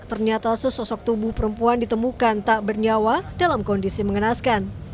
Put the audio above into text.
ternyata sesosok tubuh perempuan ditemukan tak bernyawa dalam kondisi mengenaskan